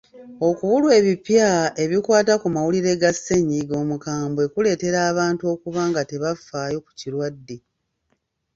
Okubulwa ebipya ebikwata ku mawulire ga ssennyiga omukambwe kuleetera abantu okuba nga tebafaayo ku kirwadde.